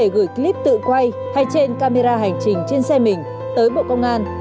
có thể gửi clip tự quay hay trên camera hành trình trên xe mình tới bộ công an